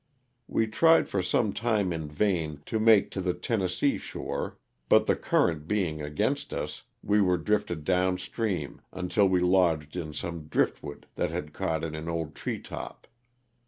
We tried for some time in vain, to make to the Tennessee shore, but the current being against us we were drifted down stream until we lodged in some driftwood that had caught in an old tree top.